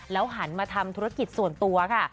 หันมาทำธุรกิจส่วนตัวค่ะ